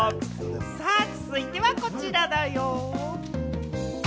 続いてはこちらだよ。